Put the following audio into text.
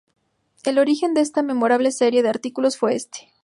El origen de esta memorable serie de artículos fue este.